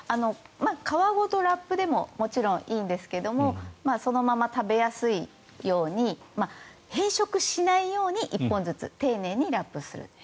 皮ごとラップでももちろんいいんですけどもそのまま食べやすいように変色しないように１本ずつ、丁寧にラップする。